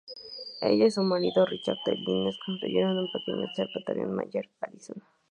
Ella y su marido, Richard D. Lines, construyeron un pequeño observatorio en Mayer, Arizona.